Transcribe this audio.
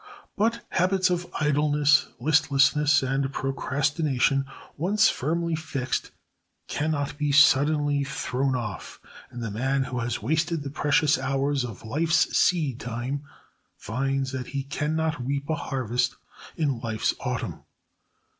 But habits of idleness, listlessness, and procrastination once firmly fixed can not be suddenly thrown off, and the man who has wasted the precious hours of life's seed time finds that he can not reap a harvest in life's Autumn.